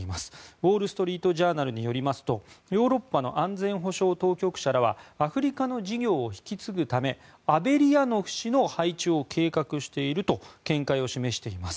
ウォール・ストリート・ジャーナルによりますとヨーロッパの安全保障当局者らはアフリカの事業を引き継ぐためアベリヤノフ氏の配置を計画していると見解を示しています。